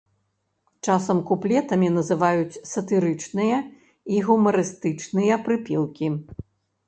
Часам куплетамі называюць сатырычныя і гумарыстычныя прыпеўкі.